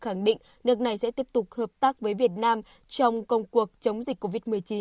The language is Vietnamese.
khẳng định nước này sẽ tiếp tục hợp tác với việt nam trong công cuộc chống dịch covid một mươi chín